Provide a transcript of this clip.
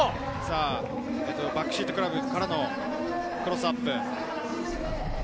バックシートグラブからのクロスアップ。